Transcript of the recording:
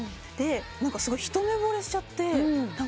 ですごい一目ぼれしちゃって。